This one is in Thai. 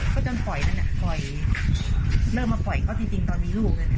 ก็จนเพิ่มปล่อยเริ่มมาปล่อยก็จริงตอนมีลูก